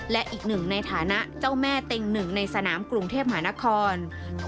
และอีกหนึ่งในฐานะเจ้าแม่เต็งหนึ่งในสนามกรุงเทพมหานคร